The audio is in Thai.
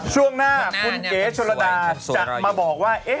ช่วงหน้าคุณเก๋ชนระดาจะมาบอกว่า